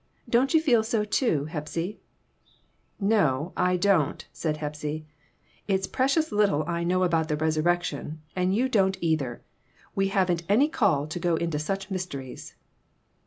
Don't you feel so, too, Hepsy ?" "No, I don't," said Hepsy; "it's precious little I know about the resurrection, and you don't, either. We haven't any call to go into such mysteries."